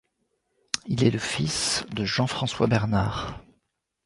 Il est le fils de Jean-François Bernard.